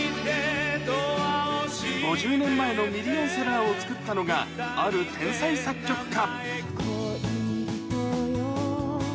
５０年前のミリオンセラーを作ったのが、ある天才作曲家。